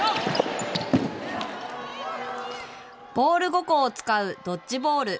ボール５個を使うドッジボール。